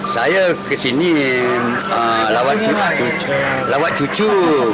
saya kesini lawat cucu